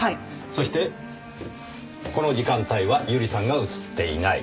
そしてこの時間帯は百合さんが写っていない。